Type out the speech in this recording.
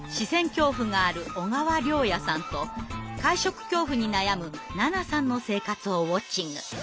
恐怖がある小川椋也さんと会食恐怖に悩むななさんの生活をウォッチング。